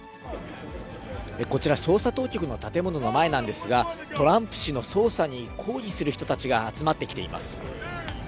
こちら、捜査当局の建物の前なんですが、トランプ氏の捜査に抗議する人たちが集まってきています。